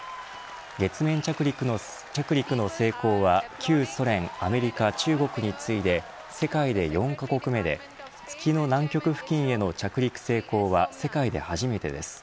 月面着陸の成功は旧ソ連、アメリカ、中国に次いで世界で４カ国目で月の南極付近への着陸成功は世界で初めてです。